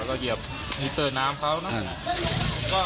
แล้วก็เหยียบนิเตอร์น้ำเขาเออนะ